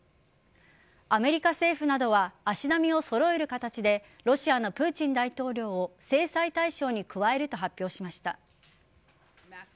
アメリカ政府などは足並みを揃える形でロシアのプーチン大統領を制裁対象に加えると発表しました。